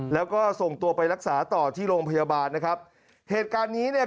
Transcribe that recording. แล้วก็ส่งตัวไปรักษาต่อที่โรงพยาบาลนะครับเหตุการณ์นี้เนี่ย